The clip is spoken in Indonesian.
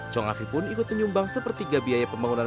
chong afi pun ikut menyumbang sepertiga biaya pembangunan